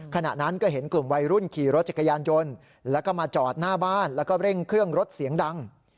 ขณะนั้นก็เห็นกลุ่มวัยรุ่นขี่รถจักรยานยนต์แล้วก็มาจอดหน้าบ้านแล้วก็เร่งเครื่องรถเสียงดัง